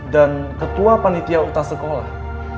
dan ketua panditia ulang tahun sekolah